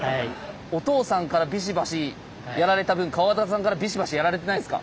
お父さんからビシバシやられた分川端さんからビシバシやられてないですか？